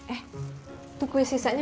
eh tuh kue sisanya